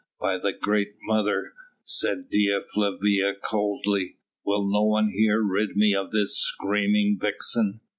"By the great Mother," said Dea Flavia coldly, "will no one here rid me of this screaming vixen?"